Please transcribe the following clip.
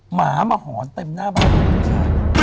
หมามาหอนเต็มหน้าบ้าน